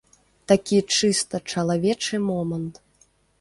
Такі чыста чалавечы момант.